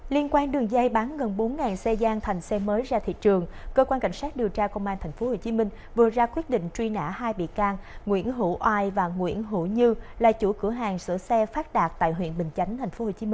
liên quan đường dây bán gần bốn xe gian thành xe mới ra thị trường cơ quan cảnh sát điều tra công an tp hcm vừa ra quyết định truy nã hai bị can nguyễn hữu oai và nguyễn hữu như là chủ cửa hàng sửa xe phát đạt tại huyện bình chánh tp hcm